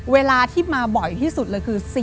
เวลาที่มาบ่อยที่สุดเลยคือ